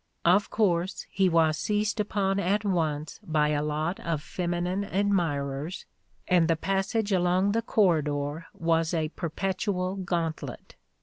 Of course he was seized upon at once by a lot of feminine admirers, and the passage along the corridor was a perpetual gantlet.